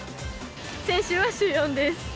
先週は週４です。